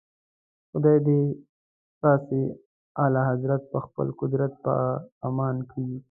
خدای دې تاسي اعلیحضرت په خپل قدرت په امان کړي.